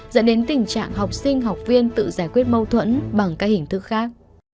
dẫn đến tình trạng học sinh học viên tự giải quyết mâu thuẫn bằng các hình thức khác